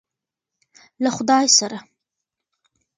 له خدای سره.